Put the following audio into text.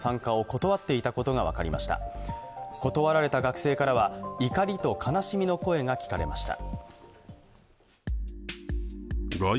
断られた学生からは怒りと悲しみの声が聞かれました。